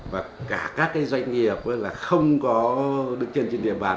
và cả các doanh nghiệp là không có đứng trên địa bàn